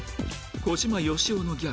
「小島よしおのギャグ